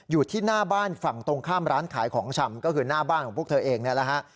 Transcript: อยู่ที่หน้าบ้านฝั่งตรงข้ามร้านขายของชำก็คือหน้าบ้านของพวกเธอเองนี่แหละฮะ